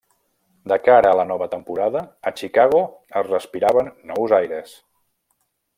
De cara a la nova temporada, a Chicago es respiraven nous aires.